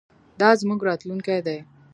دا زموږ راتلونکی دی.